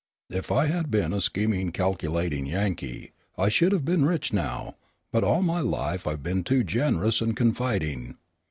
"If I had been a scheming, calculating Yankee, I should have been rich now; but all my life I have been too generous and confiding.